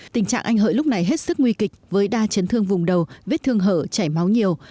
tình trạng anh hợi lúc này hết sức nguy kịch với đa chấn thương vùng đầu vết thương hở chảy máu nhiều